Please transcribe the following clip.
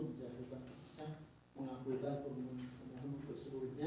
bisa mengakulkan pemohon pemohon untuk seluruhnya